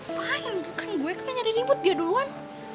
fine bukan gue yang nyari ribut ya duluan